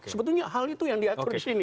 sebetulnya hal itu yang diatur di sini